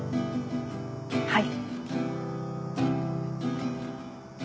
はい。